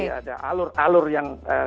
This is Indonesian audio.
ada alur alur yang